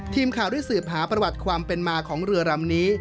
ทีมข่าวได้สืบหาประวัติความเป็นมาของเรือลำนี้